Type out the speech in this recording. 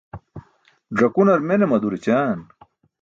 Ẓakunar mene madur ećaan.